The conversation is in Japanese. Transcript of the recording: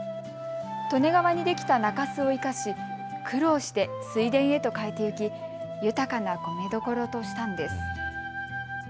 利根川にできた中州を生かし苦労して水田へと変えてゆき豊かな米どころとしたんです。